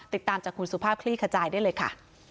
ติดตามจากคุณสุภาพคลี่ขจายได้เลยค่ะ